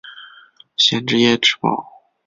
县治耶芝堡。